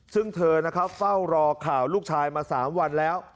ซึ่งเธอนะครับเฝ้ารอข่าวลูกชายมา๓วันแล้ว